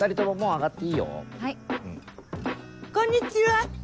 あこんにちは。